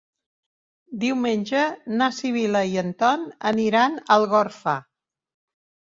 Diumenge na Sibil·la i en Ton aniran a Algorfa.